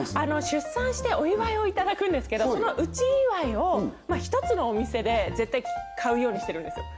出産してお祝いを頂くんですけどその内祝いを１つのお店で絶対買うようにしてるんですよ